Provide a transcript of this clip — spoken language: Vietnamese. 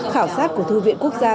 khảo sát của thư viện quốc gia